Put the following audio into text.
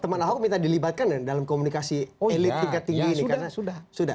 teman ahok minta dilibatkan dalam komunikasi elit tingkat tinggi ini